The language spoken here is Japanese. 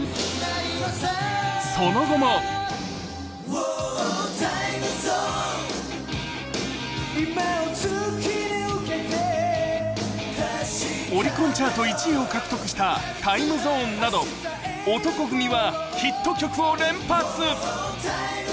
その後もオリコンチャート１位を獲得した「ＴＩＭＥＺＯＮＥ」など、男闘呼組はヒット曲を連発。